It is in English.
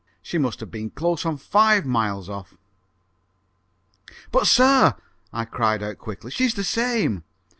She must have been close on five miles off!" "But, sir," I cried out quickly. "She's the same!"